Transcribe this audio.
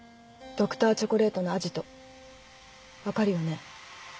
Ｄｒ．チョコレートのアジト分かるよね？